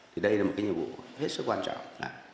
thì đây là một cái nhiệm vụ hết sức quan trọng